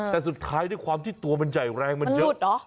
แต่สุดท้ายด้วยความที่ตัวมันใหญ่แรงมันเยอะ